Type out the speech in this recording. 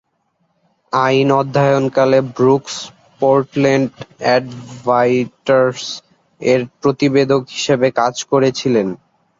আইন অধ্যয়নকালে Brooks "Portland অ্যাডভাইটার্স-এর" প্রতিবেদক হিসাবেও কাজ করেছিলেন।